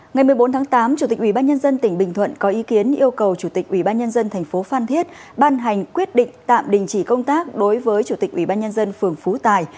ngày một mươi bốn tháng tám chủ tịch ubnd tỉnh bình thuận có ý kiến yêu cầu chủ tịch ubnd tp phan thiết ban hành quyết định tạm đình chỉ công tác đối với chủ tịch ubnd phường phú tài